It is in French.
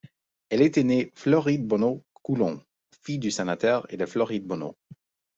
Elle été née Floride Bonneau Colhoun, fille du sénateur et de Floride Bonneau.